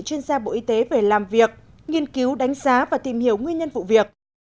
chuyên gia bộ y tế về làm việc nghiên cứu đánh giá và tìm hiểu nguyên nhân vụ việc